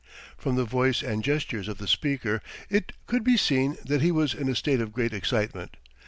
..." From the voice and gestures of the speaker it could be seen that he was in a state of great excitement.